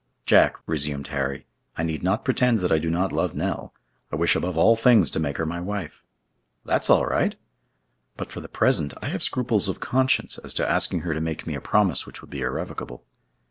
"Jack," resumed Harry, "I need not pretend that I do not love Nell; I wish above all things to make her my wife." "That's all right!" "But for the present I have scruples of conscience as to asking her to make me a promise which would be irrevocable."